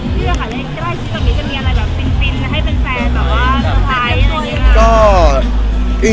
ให้เป็นแฟนแบบว่าถุนไทยอะไรอย่างเงี้ย